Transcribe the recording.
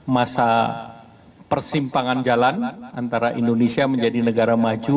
masa persimpangan jalan antara indonesia menjadi negara maju